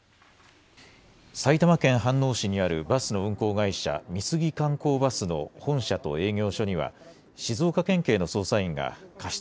埼玉県飯能市にあるバスの運行会社、美杉観光バスの本社と営業所には、静岡県警の捜査員が過失